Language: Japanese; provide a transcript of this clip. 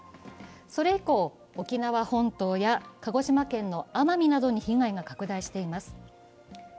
それ以降、沖縄本島や鹿児島県の奄美などに被害が拡大しています。